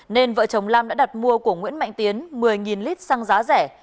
nên vợ chồng lam đã đặt mua của nguyễn mạnh tiến một mươi lít xăng giá rẻ